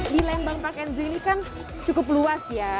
di lembang park and zoo ini kan cukup luas ya